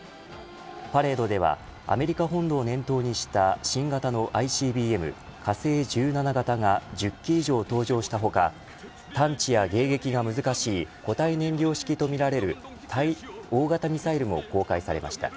パレードではアメリカ本土を念頭にした新型のＩＣＢＭ、火星１７型が１０基以上登場した他探知や迎撃が難しい固体燃料式とみられる大型ミサイルも公開されました。